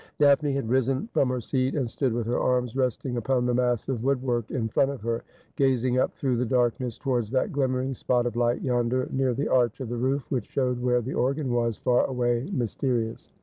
Daphne had risen from her seat, and stood with her arms resting upon the massive woodwork in front of her, gazing up through the darkness towards that glimmering spot of light yonder, near the arch of the roof, which showed where the organ was, far away, mysterious.